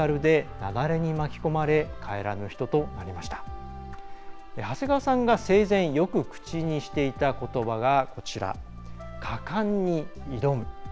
長谷川さんが生前よく口にしていたことばが「果敢に挑む」。